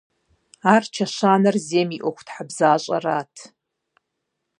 Ар чэщанэр зейм и ӀуэхутхьэбзащӀэрат.